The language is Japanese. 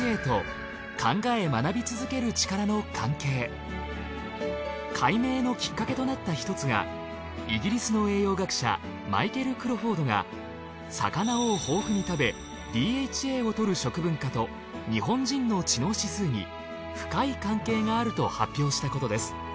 齋藤先生がそれはそんな解明のきっかけとなったひとつがイギリスの栄養学者マイケル・クロフォードが魚を豊富に食べＤＨＡを摂る食文化と日本人の知能指数に深い関係があると発表したことです。